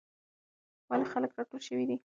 ولې خلک راټول شوي دي؟